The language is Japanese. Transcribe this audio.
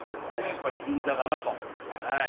やっぱり銀座だなとはい。